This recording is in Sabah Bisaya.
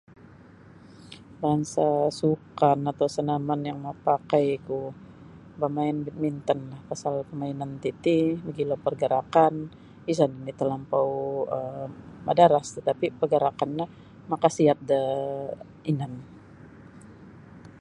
Bansa sukan atau senaman yang mapakaiku bamain bidmintonlah pasal permainan titi mogilo pergerakan pergerakan no isa nini talampau madaras tapi pergerakan no makasiat da inan.